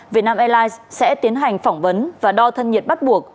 việt nam airlines sẽ tiến hành phỏng vấn và đo thân nhiệt bắt buộc